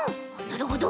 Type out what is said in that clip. なるほど！